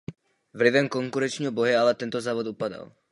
Vlivem konkurenčního boje ale tento závod upadal.